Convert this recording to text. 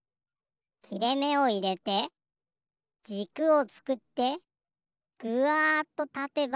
きれめをいれてじくをつくってぐわっとたてば。